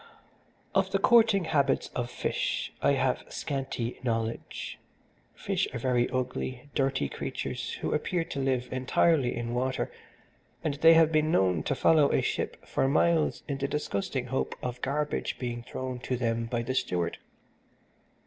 "Of the courting habits of fish I have scanty knowledge. Fish are very ugly, dirty creatures who appear to live entirely in water, and they have been known to follow a ship for miles in the disgusting hope of garbage being thrown to them by the steward.